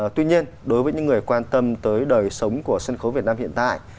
tuy nhiên đối với những người quan tâm tới đời sống của sân khấu việt nam hiện tại